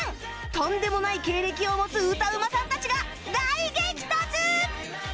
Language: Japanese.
とんでもない経歴を持つ歌うまさんたちが大激突！